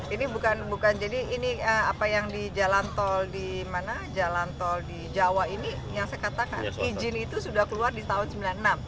ini bukan bukan jadi ini apa yang di jalan tol di mana jalan tol di jawa ini yang saya katakan izin itu sudah keluar di tahun seribu sembilan ratus sembilan puluh enam